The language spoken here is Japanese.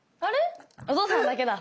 お父さんだけだ。